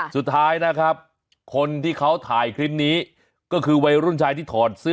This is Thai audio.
สุดท้ายนะครับคนที่เขาถ่ายคลิปนี้ก็คือวัยรุ่นชายที่ถอดเสื้อ